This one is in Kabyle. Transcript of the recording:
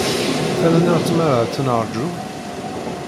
Terra-aneɣ tmara ad t-neṛju?